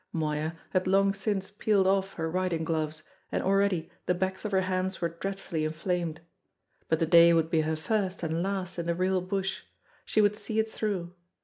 Moya had long since peeled off her riding gloves, and already the backs of her hands were dreadfully inflamed. But the day would be her first and last in the real bush; she would see it through.